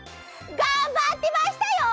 がんばってましたよ！